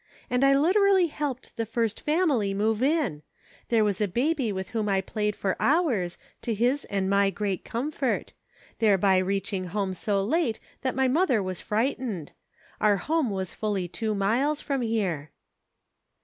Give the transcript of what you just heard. And I literally helped the first family move in ; there was a baby with whom I played for hours, to his and my great comfort ; thereby reaching home so late that my mother was frightened. Our home was fully two miles from here."